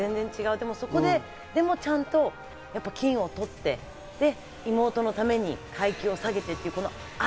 でもそこでちゃんと金メダルを取って、妹のために階級を下げてという愛。